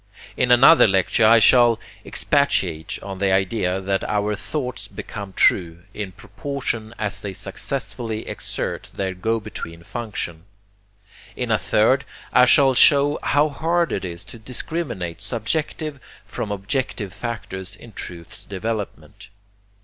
In another lecture I shall expatiate on the idea that our thoughts become true in proportion as they successfully exert their go between function. In a third I shall show how hard it is to discriminate subjective from objective factors in Truth's development.